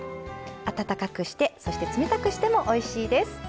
温かくして、そして冷たくしてもおいしいです。